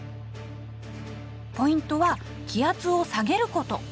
ポイントは気圧を下げること。